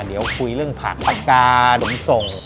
เดี๋ยวคุยเรื่องผักปากกาขนส่ง